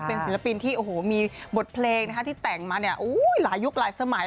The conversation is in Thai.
เป็นศิลปินที่โอ้โหมีบทเพลงที่แต่งมาเนี่ยหลายยุคหลายสมัย